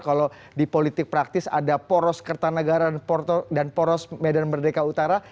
kalau di politik praktis ada poros kertanegara dan poros medan merdeka utara